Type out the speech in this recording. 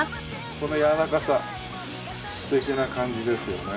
このやわらかさ素敵な感じですよね。